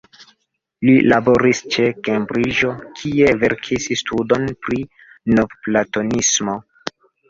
Li laboris ĉe Kembriĝo, kie verkis studon pri Novplatonismo.